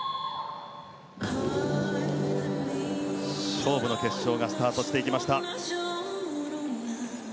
勝負の決勝がスタートしていきました。